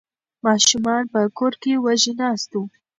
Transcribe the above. ماشومان په کور کې وږي ناست وو.